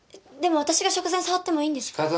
でも私が食材に触ってもいいんですか？